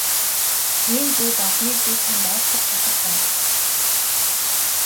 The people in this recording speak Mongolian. Ийм зүйл олныг би танд айлтгаж чадах байна.